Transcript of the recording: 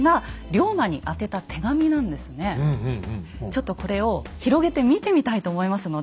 ちょっとこれを広げて見てみたいと思いますので。